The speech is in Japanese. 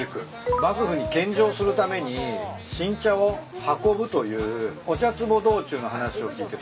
幕府に献上するために新茶を運ぶというお茶壺道中の話を聞いてとても感動して。